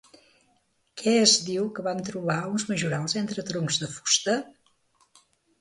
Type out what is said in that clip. Què es diu que van trobar uns majorals entre troncs de fusta?